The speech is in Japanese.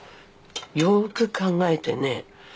よーく考えてね。